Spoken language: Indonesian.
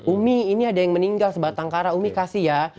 umi ini ada yang meninggal sebatang kara umi kasih ya